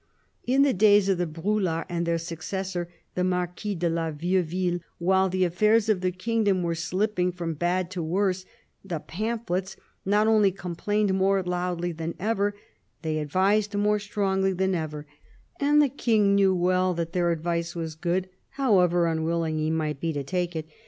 In the days of the Brularts and their successor, the Marquis de la Vieuville, while the affairs of the kingdom were slipping from bad to worse, the pamphlets not only complained more loudly than ever, they advised more strongly than ever, and the King knew well that their advice was good, however unwilling he might be to take it.